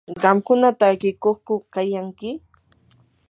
¿qamkuna takiykuqku kayanki?